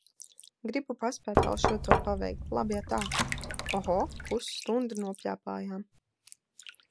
Gribu paspēt vēl šo to paveikt, labi atā! Oho, pusstundu nopļāpājām.